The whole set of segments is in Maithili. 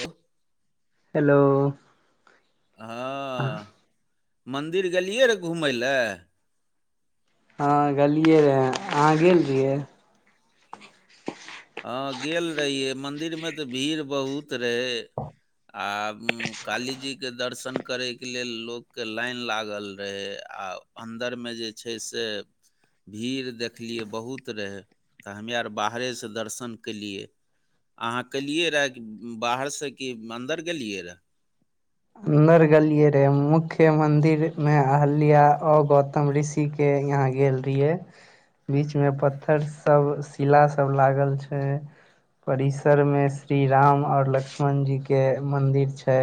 हो हेलो हँ मन्दिर गेलियै रऽ घुमय लए हँ गेलियै रहै अहाँ गेल रहियै हँ गेल रहियै मंदिर मे तऽ भीड़ बहुत रहै आ कालीजी के दर्शन करयके लेल लोकके लाइन लागल रहय आ अन्दरमे जे छै से भीड़ देखलियै बहुत रहै तऽ हमे आर बाहरेसँ दर्शन केलियै अहाँ केलियै रहए कि बाहरसँ कि अन्दर गेलियै रहए अंदर गलिये रहे मुख्य मन्दिरमे अहल्या औ गौतम ऋषि के यहाँ गेल रीहयै बीच मे पत्थर सब शिला सब लागल छै परिसर मे श्री राम और लक्ष्मण जी के मंदिर छै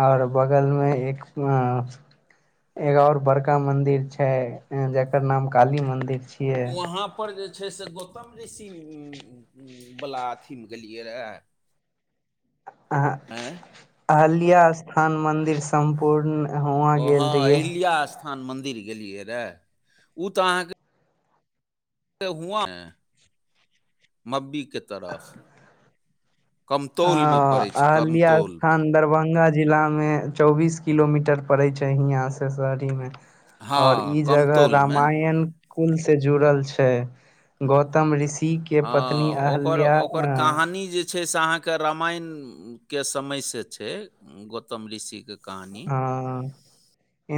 आओर बगलमे एक अ एगो और बड़का मंदिर छै जेकर नाम काली मंदिर छियै वहाँ पर जे छै से गौतम ऋषि बला अथीमे गेलिये रहै अ हअ अल्य स्थान मन्दिर सम्पूर्ण हुआ ओ हँ गेल रिहयै अहिल्या स्थान मन्दिर गेलियै रहै ऊ तऽ अहाँके हुआ है मब्बी के तरफ कमतौल मे हँ पड़ै छै अहलिया कमतौल मे स्थान दरभंगा जिलामे चौबीस किलोमीटर पड़ैत छै हियाँ सँ शहरीमे आओर हँ ई जगह कमतौल मे रामायण कुल से जुड़ल छै गौतम ऋषि के पत्नी हँ ओकर अहल्या ओकर अ कहानी जे छै से अहाँ रामायण के समय से छै गौतम ऋषि के कहानी हँ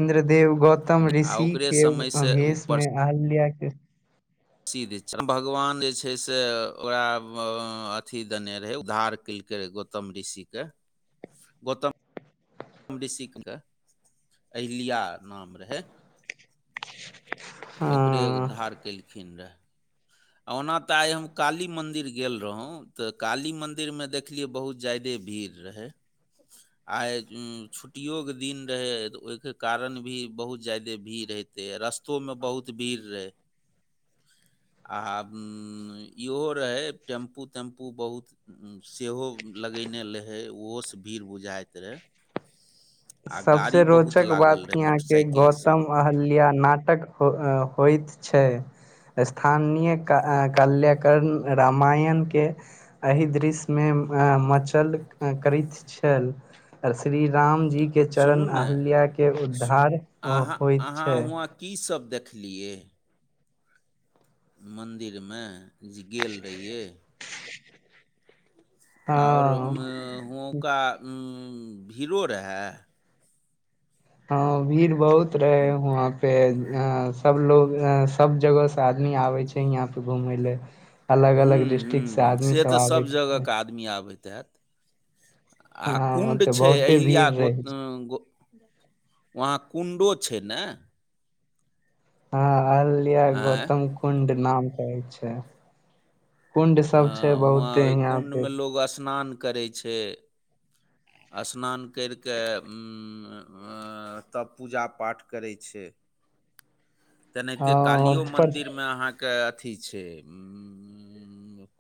इन्द्रदेव गौतम आ ऋषि ओकरे के समय से उ अभेष मे अहल्याँ केँ सिद्ध भगवान जे छै से ओकरा अथी देने रहै उद्धार केलकै रहै गो गौतम ऋषिके गौतम ऋषिक कऽ अहिल्या नाम रहै ओकरे हँ उद्धार केलखिन रहए ओना तऽ आइ हम काली मंदिर गेल रहौ तऽ काली मंदिर मे देख देख लिए बहुत जादे भीड़ रहै आय छुट्टिओे के दिन रहै तऽ ओहिके कारण भी बहुत जादे भीड़ रहै रस्तो म बहुत भीड़ रहे आ इहो रहै टेम्पू तेम्पू बहुत सेहो लगयने रहै ओहोसँ भीड़ बुझाइत रहै आ गाड़ी सबसे बहुत रोचक बात लागल रहै यहाँके मोटरसाइकिल सब गौतम अहल्या नाटक आ होइत छै स्थानीय कल्याकर्ण रामायणके एहि दृश्यमे मचल करैत छैल आ श्री राम जी के सुनू चरण ने अहिल्या के सु- उद्धार अहाँ होइत अहाँ छै हुआँ की सब देखलियै मन्दिरमे जे गेल रहियै और हँ हुनौका भीरो रहेय हँ भीड़ बहुत रहे वहा पे अ सभलोग सब जगहसँ आदमी आबै छै यहाँपर घुमय लए ह्म ह्म से तऽ सभ आबैत रहे जगहके आदमी आबैत हैत आ हँ कुण्ड ओतऽ छै बहुते अहिल्या भीड़ गो रहै छै गो वहाँ कुण्डो छै न हँ अहिल्या आँय गौतम कुंड नाम कहै छै कुंड सब छै हँ हुआँ बहुते ओहि यहाँ पे कुण्डमे लोक स्नान करै छै स्नान करि कऽ तब पूजा पाठ करै छै ऐने हँ ते कालियो पर मन्दिर मे अहाँ केँ अथि छै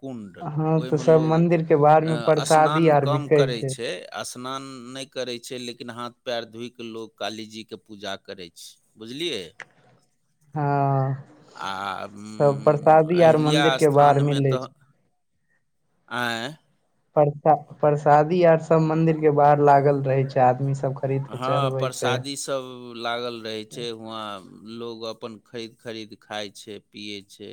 कुण्ड हँ तऽ ओहिमे सब लोग मंदिर के बाहर मे अ परसादी स्नान आर कम बिकै करै छै स्नान नहि करै छै लेकिन हाथ पैर धोइ कऽ लोक कालीजीके पूजा करै छै बुझलियै हँ आ सब अ्म परसादी आर अहिल्या मंदिर के बाहर स्थानमे मिलै तऽ छै आंय प्रसाद प्रसादी आर सब मंदिर के बाहर लागल रहे छै आदमी सब खरीदके चढ़बै छै सभ लागल रहै छै हुआं लोक अपन खरीद खरीद खाइ छै पियै छै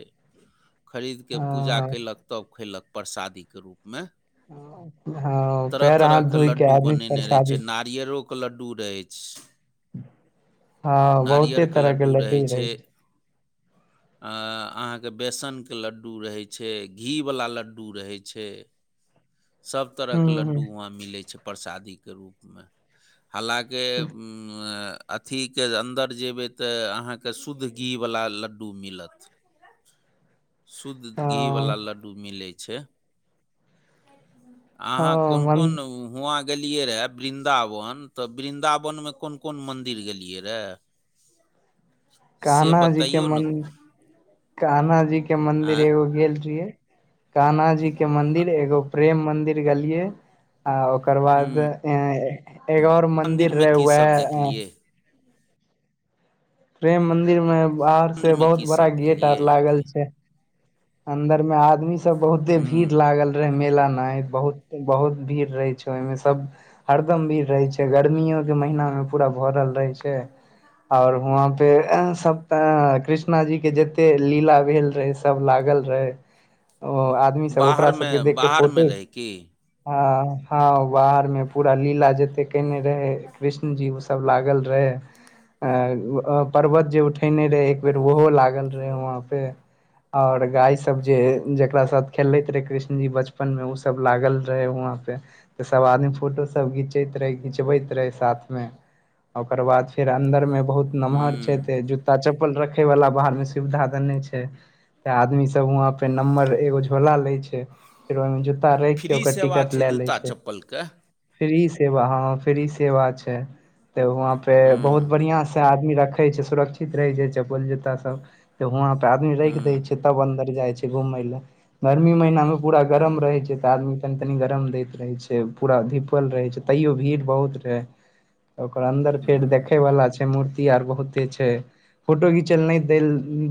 खरीद कऽ पूजा हँ कैयलक तब खैयलक प्रसादी के रूपमे हँ तरह पैर तरह हाथ के धोइ लड्डू आदमी बनेने रहै परसादी छै नारि यरोके लड्डू रहै छै हँ बहुते नारियरके तरह के लड्डू रहै छै अहाँके बेसनके लड्डू रहै छै घी वला लड्डू रहै छै सभ हूँ तरहके लड्डू हूँ वहाँ मिलै छै प्रसादी के रूपमे हालाँकि उ्म अ अथीके अन्दर जेबै तऽ अहाँके शुद्ध घी वला लड्डू मिलत [inaudible] शुद्ध घी हँ वला लड्डू मिलै छै हँ अहाँ कोन मन कोन हुआं गेलियै रहे वृंन्दाव वन तऽ वृन्दावन में कोन कोन मंदिर गेलियै रै कान्हा जी के बतैयौ ने मं कान्हा जी के मंन्दिर आँय एगो गेल रहियै कान्हा जी के मंदिर एगो प्रेम मंदिर गेलियै आ ओक ओकर बाद हूँ अ एगो और मंदिर मन्दिरमे रहे कीसभ उयह देखलियै प्रेम मंदिर में बाहर से मन्दिरमे बहुत बड़ा कीसभ गेट आर लागल देखलियै छै अन्दर में आदमी सब बहुते भीड़ हूँ लागल रहे मेला नाहैत बहुत बहुत भीड़ रहै छै ओहिमे सब हरदम भीड़ रहे छै गर्मियो के महीना में पूरा भरल रहै छै और वहाँ पे सब त कृष्ण कृष्णा जी के जते लीला भेल रहे सब लागल रहे ओ आदमी सब ओकरा बाहरमे सबके देख के बाहरमे फोटो रहै की हँ हँ बाहर में पूरा लीला जते केने रहे कृष्ण जी उ सब लागल रहे पर्वत जे उठेने रहे एक बेर ओहो लागल गल रहे वहाँ पे और गाय सब जे जेकरा साथ खेलैत रहै कृष्णजी बचपन मे ओ सब लागल रहै वहां पे तऽ सभ आदमी फोटोसभ घिचैत रहै घिचबैत रहै साथमे ओकर बाद फेर अन्दर में बहुत नमहर छै हूँ ते जूता कुता चप्पल रखे वाला बाहर में सुविधा तऽ नहि छै तऽ आदमी सब वहां पे नम्बर एगो झोला ले छै फेर ओहिमे जूता राख के फ्री ओकर सेवा टिकट लए ले जूता छै चप्पलके फ्री सेवा हँ फ्री सेवा छै तऽ वहं पे हूँ बहुत बढ़ियां से आदमी रख छै सुरक्षित रहे छै चपल जोता सब त वहा पे आदमी राख हूँ देय छै तब अंर जाइ छै घूमय ले गर्मी महिीना मे पूरा गरम हूँ रहै छै तऽ आदमी तनी तनी गरम दैत रहै छै पूरा धिपल रहै छै तैयो भीड़ बहुत रहै ओकर अन्दर फेर हूँ देखे वाला छै मूर्ति आर बहुते छै फोटो घिच ल नहि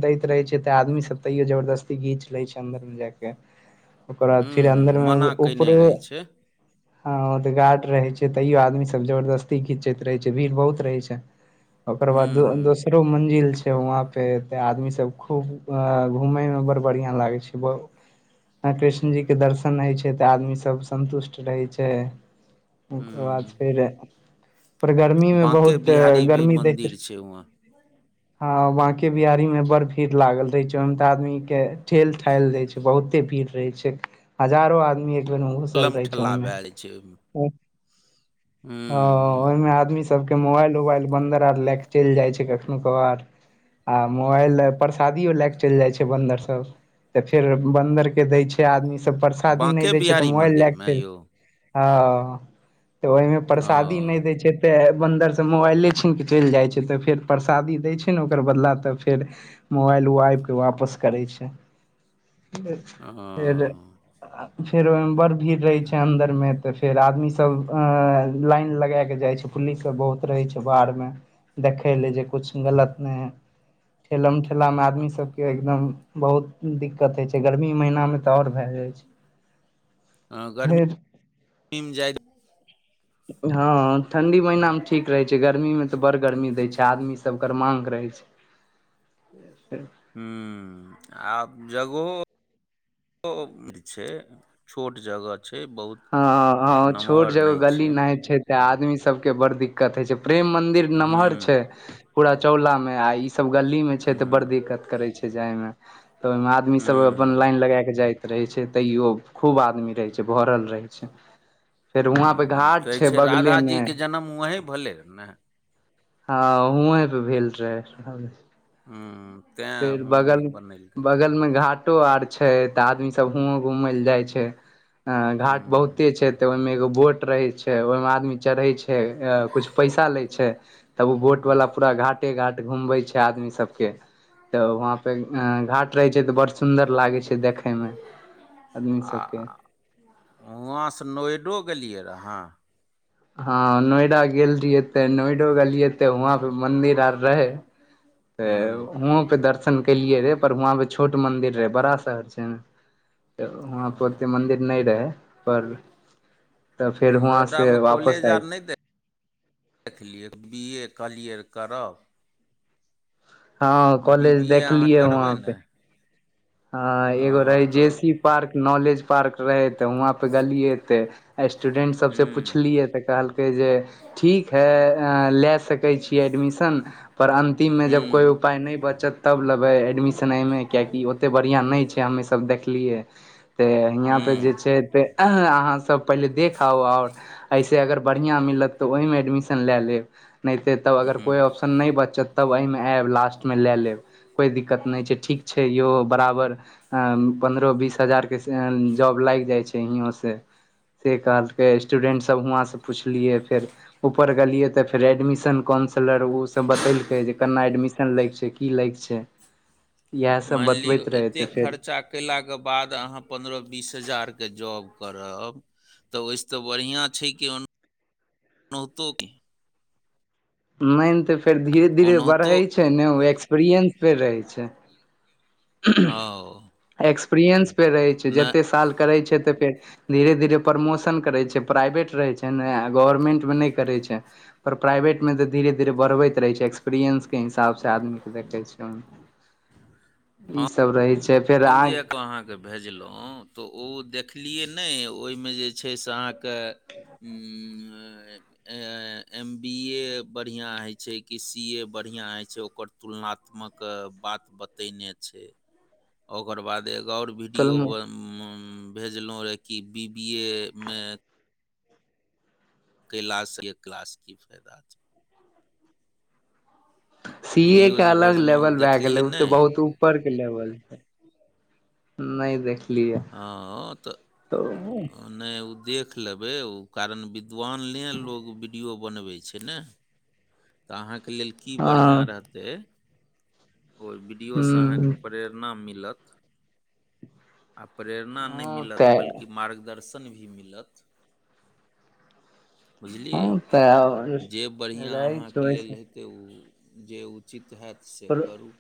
दैत रहै छैै तऽ आदमीसभ तैयो जबरदस्ती घीच लै छै अन्दरमे जा कऽ ओकर बाद हूँ फिर अन्दर हूँ मे मना कयने उऊपरो रहै [inaudible] हँ ओ तऽ गा्ट रहै छै तैयो आदमीसभ जबरदस्ती घींचैत रहै छै भीड़ बहुत रहै छै ओकर बाद हूँ हूँ दोसर मंजिल छै वहां पे तैं आदमी सब खूब घूमे में बड़ बढ़िया लागे छै कृष्ण जी के दर्शन होय छै तऽ आदमी सब संन्तुष्ट रहे छै छै ओकर बाद हूँ फेर पर गर्मीमे बाँके बहुत बिहारी भी गर्मी दैत मन्दिर रह छै वहाँ हँ बांके बिआरीी मे बड़ भीड़ लागल रहे छै ओहिमे तऽ आदमी के ठेल ठाय दय छै बहुते भीड़ रहे छै हजारो आदमी ओसल ठेलम रह ठेला छमे भए जाइ छै ओहिमे ह हूँ ओहिमे हूँ मे आदमी सब के मोबाइल उबाइल बन्दर आर लए के चलि जाइ छै कखनो क आर आ मोबाइल परसादियो लए के चलि जाइ छै बन्दर सब तऽ फेर बन्दर के दै छै आदमी सब परसादी नहि बाँके दै छै तऽ बिहारी मोबाइल लए क मन्दिरमे छै यौ हँ तऽ ओहिमे ओ परसादी नहि दै छै तऽ बन्दरसे मोबाइले छीने चलि जाइ छै तऽ फेर परसादी दै छै ने ओकर बदला तऽ फेर मोबाइल ओ आबिकऽ वापस करै छै फ ओ फेर फेरमर भीड़ रहै छै अन्दरमे तऽ फेर आदमी सब लाइन लगाके जाइ छै पुलिस सब बहुत रहै छै बाहरमे देखय लए जे किछु गलत नहि हइ ठेला मे ठेला में आदमी सब के एकदम बहुत दिक्कत होय छै गर्मी महीना में तऽ और भय जाय छै फेर गर्मी जा हँ ठं्डी महना मे ठीक रहै छै गर्मी मे तऽ बड़ गर्मी दै छै आदमी सब कर माग रहै छै [inaudible] ह आब जगो छै छोट जगह छै बहुत ह ह छोट नमहर जगह नहि गली न छै तऽ आदमी सबके बड़ दिक्कत होइ छै प्रेम मंदिर नमहर हूँ छै पूरा चौला में आ इ सब गली में छै ते बड़ हूँ दिक्कत करे छै जाय मे तऽ ओहिमे आदमी सब अपन हूँ लाइन लगा के जाइत रहे छै तैयो खूब आदमी रहै छै भरल रहै छै ह फेर वहाँ पे घाट कहै छै बगले मे राधाजीके जन्म वही भेलै र ने हँ उए पे भेल रहे ह तैँ फेर बगल हुएं बनेलकै बगलमे घाट घाटो आर छै तऽ आदमी सब हुं घूमय लए जाइ छै घाट हूँ बहुते छै त ओहिमें एगो बोट रहे छै ओहिमें आदमी चढ़े छै कुछ पैसा ले छै तब ओ वोट हूँ वाला पूरा घाटे घाट घूमबे छै आदमी सब के ह त वहाँ पे घाट रहे छै त बरस सुन्दर लागै छै देखे में आदमी सबके वहाँ सँ नोएडो गेलिये रहे हँ नोएडा गेल रहिये त नोएडो गेलिये त वहाँ पे मंदिर आर रहे [unintelligible] त हुँओ पे दर्शन केलियै रे पर हुआँ पे छोट मन्दिर रहै बड़ा शहर छै ने त वहाँ पर हँ ओते मन्दिर नहि रहै पर त फेर हुआँ से नोएडामे वापस आय देखलिए बी ए कहलिय करब हँ बी कॉलेज बी ए अहाँ देखलियै करबै वहाँ ने पे ह एगो हँ रहे जे तऽ सी पार्क नॉलेज पार्क रहै त हुआँ पर गेलियै त स्टूडेन्ट सबसँ हूँ पुछलियै त कहलकै जे ठीक है लए सकै छिय एडमिशन पर अन्तिम मे जब कोइ हूँ उपाय नहि बचत तब लेबै एडमिशनमे कियकि ओते बढ़िया नहि छै हमे सब देखलियै त यियाँ पे जे हूँ छै अहाँसभ पहिले देखउ आओर एहिसे अगर बढ़िआँ मिलत त ओहिमे एडमिशन लए लेब नहिते तब अगर हूँ कोइ ऑप्शन नहि बचत तब एहिमे आयब लास्ट मे लए लेब कोइ दिक्कत नहि छै ठीक छै यौ बराबर पन्द्रह बीस हजारके जॉब लाग जाइ छै हियाँसँ से कहलके स्टूडेंटसभ हुआँ सँ पुछलिये फेर ऊपर गेलियै त फेर एडमिशन काउंसलर ओसभ बतेलकै जे केना एडमिशन लै छै की लेग छै [inaudible] इहा सब बत तेयो एतै खर्चा कयलाके बाद अहाँ पन्द्रह बीस हजारके जॉब करब त ओहिसँ त बढ़िआँ छै कि ओनाहे [unintelligible] तो मेन त फेर धीरे धीरे ओनाहितो बढ़ै छै ने ओ एक्सपीरियंस फेर रहै छै ओ एक्सपीरएंस पे रहे छै जते नहि साल करैत छै त फेर धीरे धीरे प्रमोशन करै छै प्राइवेट रहै छै ने आ गवर्मेंटमे न करे छै पर प्राइवेटमे तऽ धीरे धीरे बढ़बैत रहै छै एक्सपीरियंसके हिसाबसँ आदमीकेँ देखै छै हँ ई सब रहै छै फेर हम जे अहाँ [unintelligible] भेजलो त ओ देखलिय न ओहिमे जे छै से अहाँके ह एम बी ए बढ़िया होइ छै कि सी ए बढ़िया होइ छै ओकर तुलनात्मक बात बतेने छै ओकर बाद एगो और वीडियो कहलहुँ ब म भेजलहुँ रहु कि बी बी ए मे कैलास के क्लास की फायदा छै छै सी ए वीडियो के जे अलग भेजलहुँ ओ लेवल भए गेलै देखलियै ओ ते नहि बहुत उपर के लेवल छै न देख लिए त न ओ देख लेबै ओ कारण बिद्वानले लोग वीडियो बनबै छै ने त अहाँके लेल की बढ़िया हँ रहतै ओहि वीडियो सँ अहाँके ह प्रेरणा मिलत आ प्रेरणा नहि हँ मिलत तऽ बल्कि मार्गदर्शन भी मिलत बुझलिए हँ तऽ जे बढ़िआँ रहै छै अहाँके लेल ओहिस हेतय तऽ ओ जे उचित होत से करू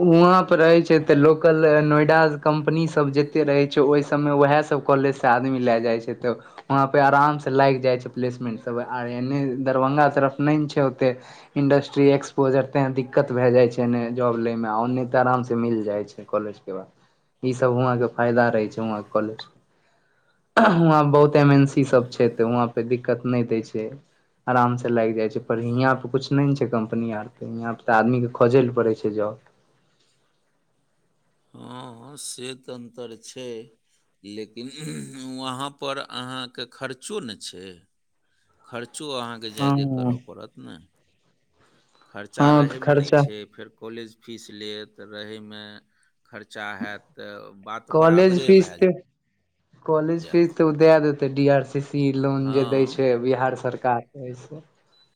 वहाँ पर रहैत छै तऽ लोकल नोएडा कम्पनीसभ जेत त रहै छै ओहि सभमे वहै सभ कॉलेजसँ आदमी लए जाइ छै तऽ वहाँ पे आराम से लागि जाइ छै प्लेसमेंट सब एने दरभंगा तरफ नहि ने छै ओते इंडस्ट्री एक्सपोजर तेै दिक्कत भए जाइ छै जॉब ले मे ओ नहि तऽ आराम से मिल जाइ छै कॉलेज के बाद इ सब वहं के फायदा रहै छै वहं कॉलेज में बहुत एम एन सी सब छै त व कोई दिक्कत नहि दै छै आराम से लागि जाइ छै पर हियाँ पर कुछ नहि ने छै कम्पनी आरके यहाँ पर तऽ आदमीक के खोजै लए पड़ै छै जॉब हँ से तऽ अन्तर छै लेकिन वहाँपर अहाँके खर्चो ने छै खर्चो अहाँकेँ ज्यादा हँ करय पड़त ने खर्चा हँ तऽ रहैमे नहि खर्चा छै फेर कॉलेज फीस लेत रहै मे खर्चा हैत तऽ बात कॉलेज बराबरे भे फीस जे [unintelligible] तऽ कॉलेज फीस तऽ ओ दए देतै D R C C loan जे दै हँ छै बिहार सरकार ओइसे